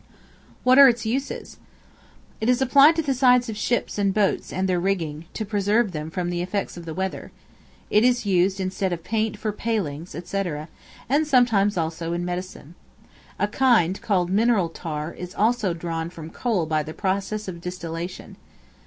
What are its uses? It is applied to the sides of ships and boats and their rigging, to preserve them from the effects of the weather; it is used instead of paint for palings, &c. and sometimes also in medicine. A kind, called mineral tar, is also drawn from coal by the process of distillation.